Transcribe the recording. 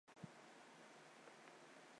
古代文人墨客纷纷前来瞻仰。